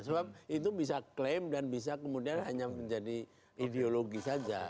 sebab itu bisa klaim dan bisa kemudian hanya menjadi ideologi saja